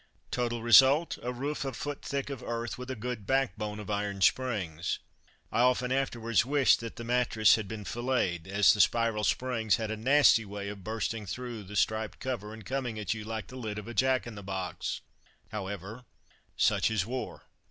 Total result a roof a foot thick of earth, with a good backbone of iron springs. I often afterwards wished that that mattress had been filleted, as the spiral springs had a nasty way of bursting through the striped cover and coming at you like the lid of a Jack in the box. However, such is war.